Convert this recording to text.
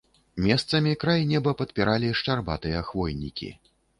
Месцамі край неба падпіралі шчарбатыя хвойнікі.